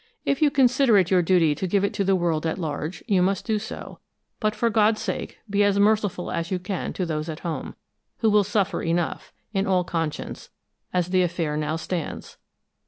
If you consider it your duty to give it to the world at large, you must do so, but for God's sake be as merciful as you can to those at home, who will suffer enough, in all conscience, as the affair now stands.